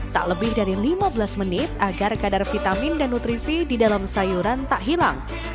tak lebih dari lima belas menit agar kadar vitamin dan nutrisi di dalam sayuran tak hilang